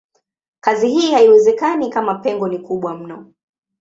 Kazi hii haiwezekani kama pengo ni kubwa mno.